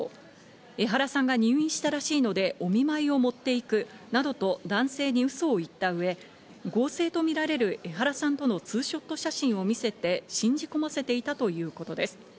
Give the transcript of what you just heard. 江原さんが入院したらしいのでお見舞いを持っていくなどと男性に嘘を言った上、合成とみられる江原さんとのツーショット写真を見せて信じ込ませていたということです。